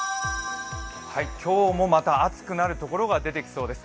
今日もまた暑くなるところが出てきそうです。